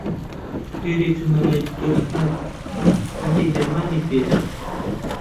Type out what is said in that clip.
پێرێ چوومە لای دختۆر ئەحمەد، هەندێک دەرمانی پێ دام.